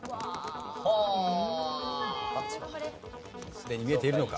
すでに見えているのか？